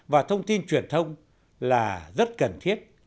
và thông tin truyền thông là rất cần thiết